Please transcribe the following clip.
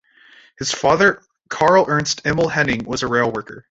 His father Karl Ernst Emil Hennig was a rail worker.